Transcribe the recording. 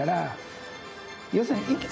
要するに。